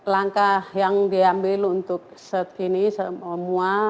langkah yang diambil untuk set ini semua